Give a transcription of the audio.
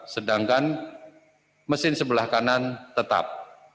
sedangkan mesin sebelah kanan tetap